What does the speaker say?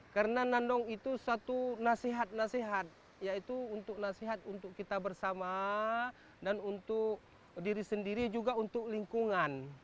karena nandong itu satu nasihat nasihat yaitu untuk nasihat untuk kita bersama dan untuk diri sendiri juga untuk lingkungan